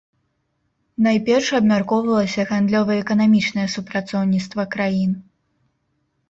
Найперш абмяркоўвалася гандлёва-эканамічнае супрацоўніцтва краін.